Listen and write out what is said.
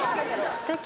すてき！